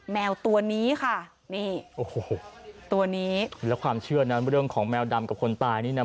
แมวตัวนี้ค่ะนี่โอ้โหตัวนี้แล้วความเชื่อนั้นเรื่องของแมวดำกับคนตายนี่นะ